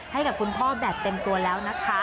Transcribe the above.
ให้กับคุณพ่อแบบเต็มตัวแล้วนะคะ